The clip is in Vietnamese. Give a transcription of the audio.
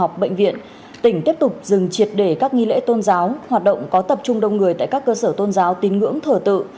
học bệnh viện tỉnh tiếp tục dừng triệt để các nghi lễ tôn giáo hoạt động có tập trung đông người tại các cơ sở tôn giáo tín ngưỡng thờ tự